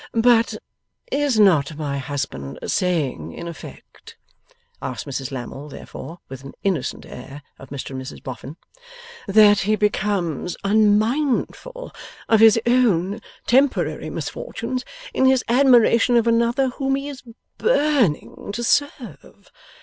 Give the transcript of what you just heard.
'But is not my husband saying in effect,' asked Mrs Lammle, therefore, with an innocent air, of Mr and Mrs Boffin, 'that he becomes unmindful of his own temporary misfortunes in his admiration of another whom he is burning to serve?